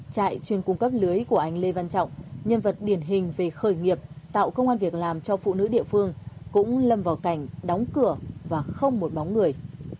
trại chuyên cung cấp lưới của anh lê văn trọng nhân vật điển hình về khởi nghiệp tạo công an việc làm cho phụ nữ địa phương cũng lâm vào cảnh đóng cửa và không một bóng người